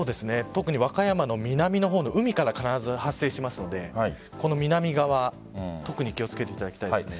特に和歌山の南の方の海から必ず発生しますので南側特に気をつけていただきたいです。